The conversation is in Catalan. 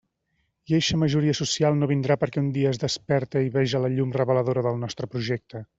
I eixa majoria social no vindrà perquè un dia es desperte i veja la llum reveladora del nostre projecte.